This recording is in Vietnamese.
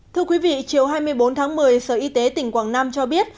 thưa quý vị chiều hai mươi bốn tháng một mươi sở y tế tỉnh quảng nam cho biết